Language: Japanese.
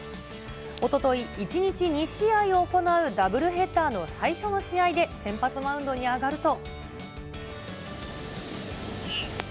おととい、１日２試合を行うダブルヘッダーの最初の試合で先発マウンドに上がると。